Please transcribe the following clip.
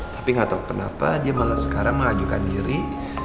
tapi gak tau kenapa dia malah sekarang mengajukan diri